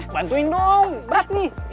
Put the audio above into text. bantuin dong berat nih